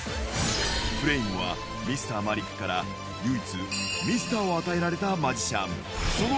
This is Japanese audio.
フレイムはＭｒ．マリックから唯一、ミスターを与えられたマジシャン。